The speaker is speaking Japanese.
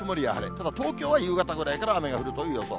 ただ東京は夕方ぐらいから雨が降るという予想。